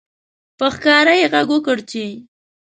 په ښکاره یې غږ وکړ چې